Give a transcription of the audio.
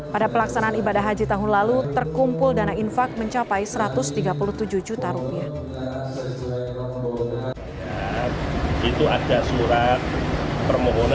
pada pelaksanaan ibadah haji tahun lalu terkumpul dana infak mencapai satu ratus tiga puluh tujuh juta rupiah